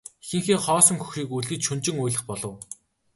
Эхийнхээ хоосон хөхийг үлгэж шөнөжин уйлах болов.